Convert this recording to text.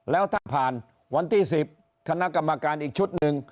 แล้วถ้าผ่านวันที่๑๐คณะกรรมการอีกชุดหนึ่ง